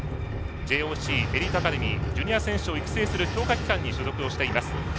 ＪＯＣエリートアカデミージュニア選手を育成する強化機関に所属しています。